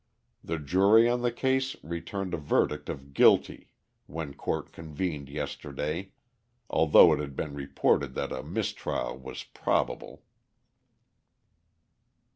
The jury on the case returned a verdict of guilty when court convened yesterday, although it had been reported that a mistrial was probable.